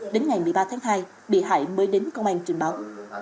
đến ngày một mươi ba tháng hai bị hại mới đến công an trình báo